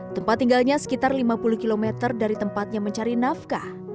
tempat tinggalnya sekitar lima puluh km dari tempatnya mencari nafkah